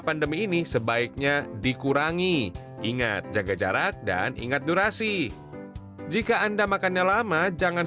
pandemi ini sebaiknya dikurangi ingat jaga jarak dan ingat durasi jika anda makannya lama jangan